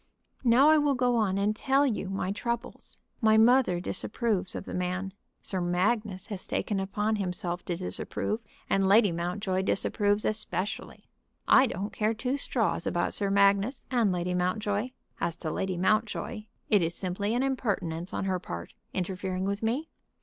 "Now I will go on and tell you my troubles. My mother disapproves of the man. Sir Magnus has taken upon himself to disapprove, and Lady Mountjoy disapproves especially. I don't care two straws about Sir Magnus and Lady Mountjoy. As to Lady Mountjoy, it is simply an impertinence on her part, interfering with me."